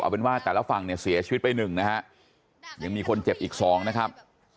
เป็นว่าแต่ละฝั่งเนี่ยเสียชีวิตไปหนึ่งนะฮะยังมีคนเจ็บอีกสองนะครับ